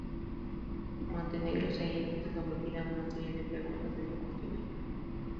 Montenegro sería entonces sometida a una serie de preguntas en un cuestionario.